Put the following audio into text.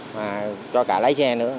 và cho cả lái xe nữa